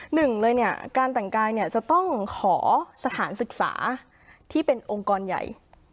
หนึ่งเลยเนี่ยการแต่งกายเนี่ยจะต้องขอสถานศึกษาที่เป็นองค์กรใหญ่